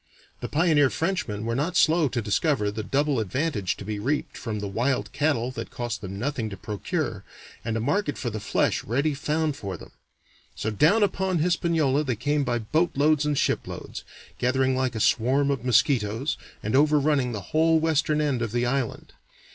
The pioneer Frenchmen were not slow to discover the double advantage to be reaped from the wild cattle that cost them nothing to procure, and a market for the flesh ready found for them. So down upon Hispaniola they came by boatloads and shiploads, gathering like a swarm of mosquitoes, and overrunning the whole western end of the island.